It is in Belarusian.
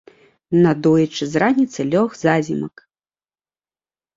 Надоечы з раніцы лёг зазімак.